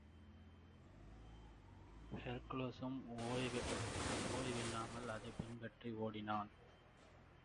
ஹெர்க்குலிஸும் ஓய்வில்லாமல் அதைப் பின்பற்றி ஓடினான்.